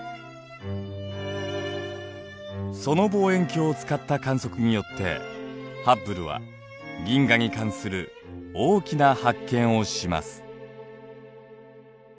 その望遠鏡を使った観測によってハッブルは銀河に関する大きな発見をします。